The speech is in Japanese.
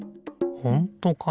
ほんとかな？